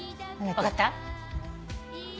分かった？